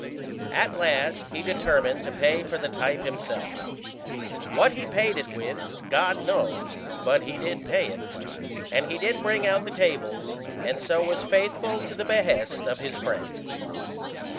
At last he determined to pay for the type himself. What he paid it with, God knows, but he did pay it, and he did bring out the tables, and so was faithful to the behest of his friend.